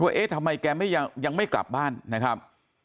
เอ๊ะทำไมแกยังไม่กลับบ้านนะครับ